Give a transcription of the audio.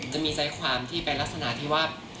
จะมีใจความที่เป็นลักษณะที่ว่า